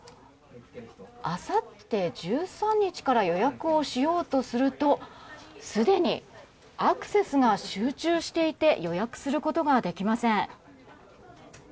あさって、１３日から予約をしようとするとすでにアクセスが集中していて予約することができません。